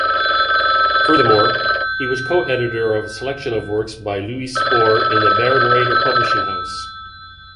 Furthermore, he was coeditor of a selection of works by Louis Spohr in the Bärenreiter publishing house.